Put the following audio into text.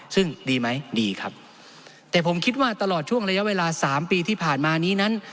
ซึ่งดีไหมดีครับแต่ผมคิดว่าตลอดช่วงระยะเวลาสามปีที่ผ่านมานี้นั้น